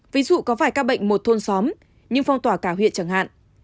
ví dụ có vài ca bệnh một thôn xóm nhưng phong tỏa cả huyện chẳng hạn